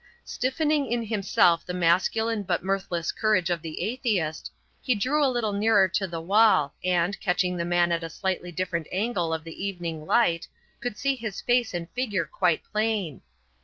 Stiffening in himself the masculine but mirthless courage of the atheist, he drew a little nearer to the wall and, catching the man at a slightly different angle of the evening light, could see his face and figure quite plain.